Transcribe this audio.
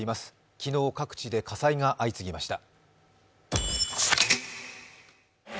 昨日、各地で火災が相次ぎました。